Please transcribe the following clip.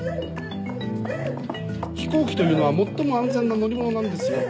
飛行機というのは最も安全な乗り物なんですよ。